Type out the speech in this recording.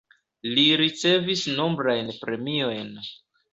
Li ricevis nombrajn premiojn.